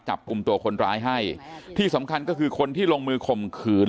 จับกลุ่มตัวคนร้ายให้ที่สำคัญก็คือคนที่ลงมือข่มขืน